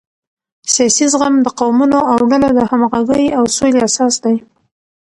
سیاسي زغم د قومونو او ډلو د همغږۍ او سولې اساس دی